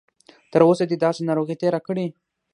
تر اوسه دې داسې ناروغي تېره کړې؟